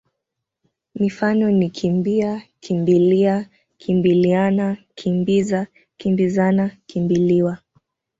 Mifano ni kimbi-a, kimbi-lia, kimbili-ana, kimbi-za, kimbi-zana, kimbi-liwa.